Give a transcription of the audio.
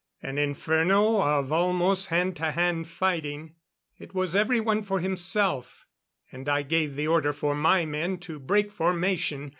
An inferno of almost hand to hand fighting. It was everyone for himself; and I gave the order for my men to break formation.